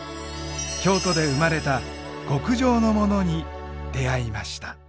京都で生まれた極上のモノに出会いました。